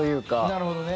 なるほどね。